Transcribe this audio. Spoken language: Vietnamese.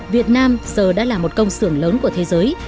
việt nam giờ đã là một công xưởng lớn của thế giới